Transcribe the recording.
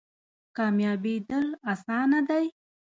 کامیابیدل اسانه دی؟